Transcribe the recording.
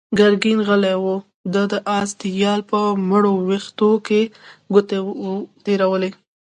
ګرګين غلی و، ده د آس د يال په مړو وېښتو کې ګوتې تېرولې.